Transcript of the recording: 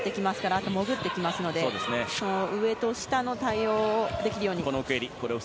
あと潜ってきますので上と下の対応をできるように。